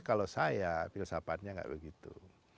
kalau saya filsafatnya nggak begitu